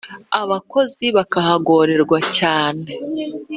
abakozi bakahagorerwa cyane